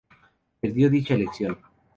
Perdió dicha elección.